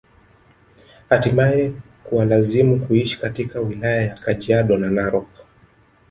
Hatimae kuwalazimu kuishi katika wilaya ya Kajiado na Narok